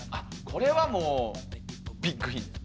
これはもうビッグヒント。